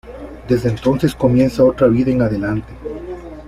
Desde entonces comienza otra vida en adelante.